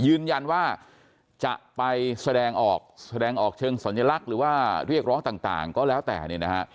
ยืนยันว่าจะไปแสดงออกแสดงออกเชิงสัญลักษณ์หรือว่าเรียกร้องต่างก็แล้วแต่เนี่ยนะฮะ